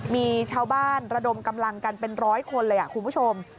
มีชาวบ้านระดมกำลังกันเป็นร้อยคนเลยคุณผู้ชม